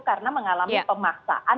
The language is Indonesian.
karena mengalami pemaksaan